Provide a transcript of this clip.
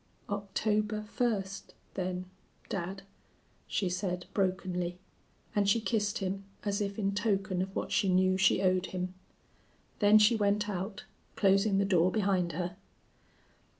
"October first then, dad," she said, brokenly, and she kissed him as if in token of what she knew she owed him. Then she went out, closing the door behind her.